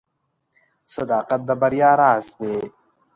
• صداقت د بریا راز دی.